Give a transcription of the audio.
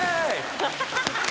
ハハハハ！